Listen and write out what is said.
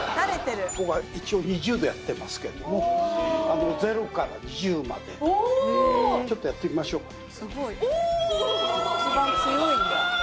一応２０でやってますけども０から２０までちょっとやってみましょうかおお！